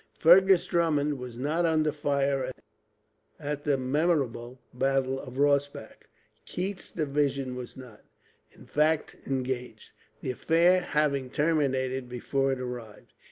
Fergus Drummond was not under fire, at the memorable battle of Rossbach. Keith's division was not, in fact, engaged; the affair having terminated before it arrived.